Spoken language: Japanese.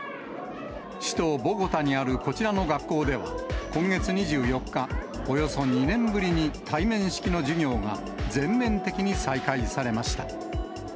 首都ボゴタにあるこちらの学校では、今月２４日、およそ２年ぶりに対面式の授業が全面的に再開されました。